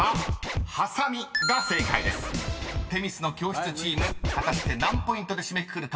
［女神の教室チーム果たして何ポイントで締めくくるか］